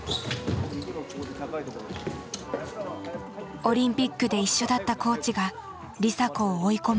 オリンピックで一緒だったコーチが梨紗子を追い込む。